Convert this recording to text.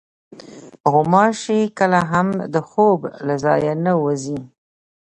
غوماشې کله هم د خوب له ځایه نه وځي.